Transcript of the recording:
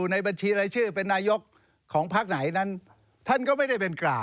นี่นี่นี่นี่นี่นี่นี่นี่นี่